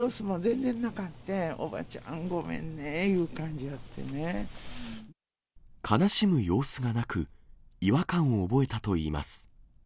そんな泣いてる様子も全然なかったて、おばちゃん、ごめんねーい悲しむ様子がなく、違和感を覚えたといいます。